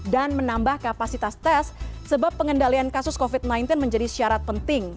dan menambah kapasitas tes sebab pengendalian kasus covid sembilan belas menjadi syarat penting